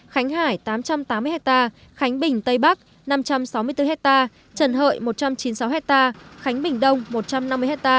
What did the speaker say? khánh hải tám trăm tám mươi hectare khánh bình tây bắc năm trăm sáu mươi bốn hectare trần hợi một trăm chín mươi sáu hectare khánh bình đông một trăm năm mươi ha